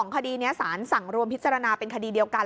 คดีนี้สารสั่งรวมพิจารณาเป็นคดีเดียวกัน